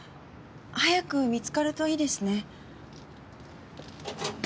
早く見つかるといいですね。